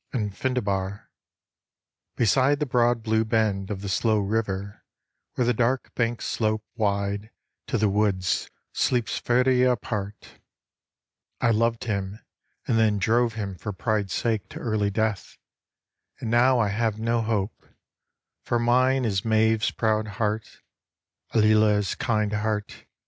'^ And Findebar, " Beside the broad blue bend Of the slow river where the dark banks slope Wide to the woods sleeps Ferdia apart. THE SORROW OF FINDEBAR 117 I loved him, and then drove him for pride's sake To early death, and now I have no hope, For mine is Maeve's proud heart, Ailill's kind heart.